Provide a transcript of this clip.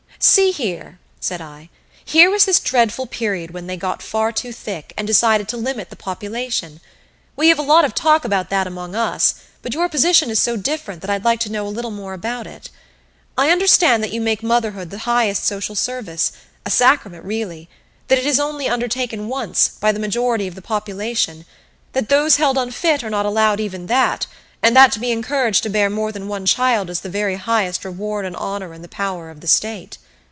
"See here," said I. "Here was this dreadful period when they got far too thick, and decided to limit the population. We have a lot of talk about that among us, but your position is so different that I'd like to know a little more about it. "I understand that you make Motherhood the highest social service a sacrament, really; that it is only undertaken once, by the majority of the population; that those held unfit are not allowed even that; and that to be encouraged to bear more than one child is the very highest reward and honor in the power of the state."